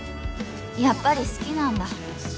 やっぱり好きなんだ